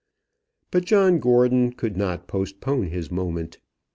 But John Gordon could not postpone his moment.